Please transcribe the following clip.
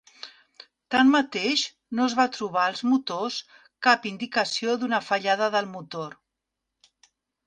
Tanmateix, no es va trobar als motors cap indicació d'una fallada del motor.